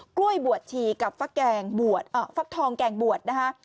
กล้วยบวชชีกับฟักแกงบวชฟักทองแกงบวชนะคะ